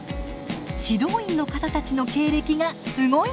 指導員の方たちの経歴がすごいんです。